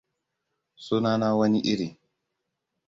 Suna na wani iri.